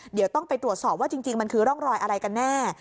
เดี๋ยวต้องไปตรวจสอบว่าจริงมันคือร่องรอยอะไรกันแน่